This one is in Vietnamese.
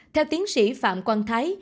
theo tiến sĩ phạm quang thái